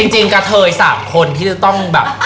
กระเทย๓คนที่จะต้องแบบ